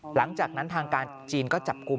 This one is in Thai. หลังจากนั้นทางการจีนก็จับกลุ่ม